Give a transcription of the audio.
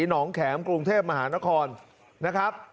หนองแข็มกรุงเทพมหานครนะครับ